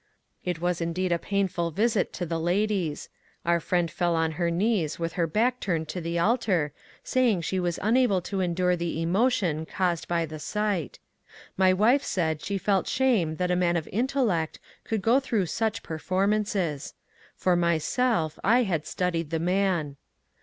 It was indeed a painful visit to the ladies. Our friend fell on her knees with her back turned to the altar, saying she was un able to endure the emotion caused by the sight. My wife said CARDINAL NEWMAN 447 she felt shame that a man of inteUeot could go through such performances. For myself I had studied the man.